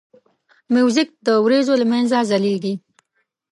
موزیک د وریځو له منځه ځلیږي.